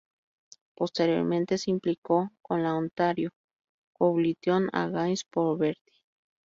Posteriormente se implicó con la Ontario Coalition Against Poverty.